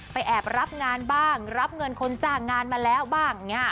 แอบรับงานบ้างรับเงินคนจ้างงานมาแล้วบ้าง